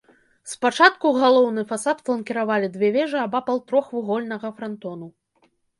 Спачатку галоўны фасад фланкіравалі две вежы абапал трохвугольнага франтону.